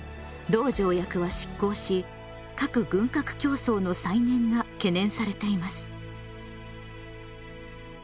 同条約は失効し核軍拡競争の再燃が懸念されています。